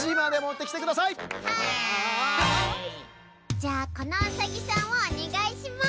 じゃあこのウサギさんをおねがいします。